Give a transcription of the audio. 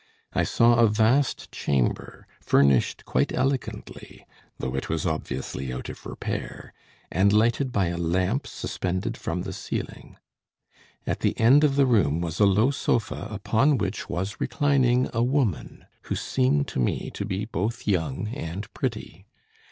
"I saw a vast chamber furnished quite elegantly, though it was obviously out of repair, and lighted by a lamp suspended from the ceiling. At the end of the room was a low sofa upon which was reclining a woman who seemed to me to be both young and pretty.